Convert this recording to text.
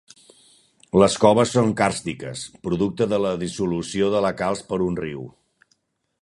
Les coves són càrstiques, producte de la dissolució de la calç per un riu.